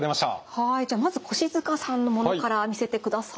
はいじゃまず越塚さんのものから見せてください。